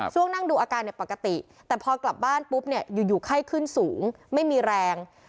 นั่งดูอาการปกติแต่พอกลับบ้านปุ๊บเนี่ยอยู่ไข้ขึ้นสูงไม่มีแรง